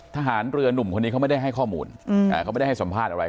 ทหารเรือนุ่มคนนี้เขาไม่ได้ให้ข้อมูลเขาไม่ได้ให้สัมภาษณ์อะไร